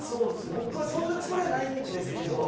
僕はそんなつもりはないんですけど。